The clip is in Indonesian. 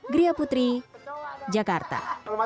gria putri jakarta